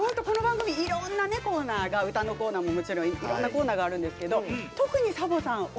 この番組、いろんなコーナーが歌のコーナーももちろんいろんなコーナーがあるんですけど特にサボさん